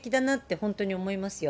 本当に思いますよ。